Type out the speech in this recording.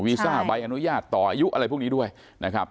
ซ่าใบอนุญาตต่ออายุอะไรพวกนี้ด้วยนะครับ